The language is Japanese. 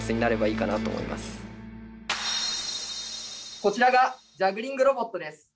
こちらがジャグリングロボットです。